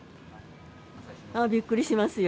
びっくりしますよ。